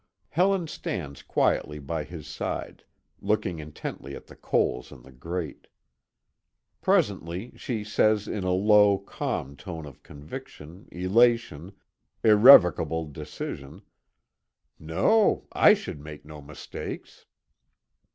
Helen stands quietly by his side, looking intently at the coals in the grate. Presently she says in a low, calm tone of conviction, elation, irrevocable decision: "No, I should make no mistakes."